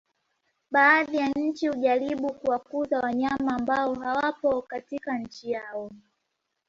Baadhi ya nchi hujaribu kuwakuza wanyama ambao hawapo katika nchi yao